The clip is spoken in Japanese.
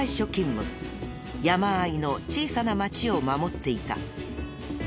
山あいの小さな町を守っていた。